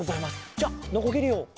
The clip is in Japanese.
じゃノコギリを。